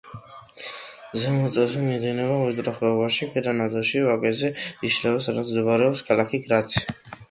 ზემო წელში მიედინება ვიწრო ხეობაში, ქვედა ნაწილში ვაკეზე იშლება, სადაც მდებარეობს ქალაქი გრაცი.